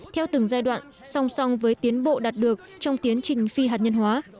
theo từng giai đoạn song song với tiến bộ đạt được trong tiến trình phi hạt nhân hóa